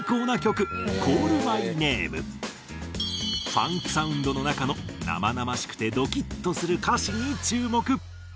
ファンクサウンドの中の生々しくてドキッとする歌詞に注目。